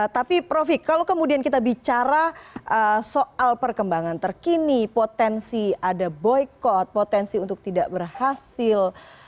tapi profi kalau kemudian kita bicara soal perkembangan terkini potensi ada boykot potensi untuk tidak berhasil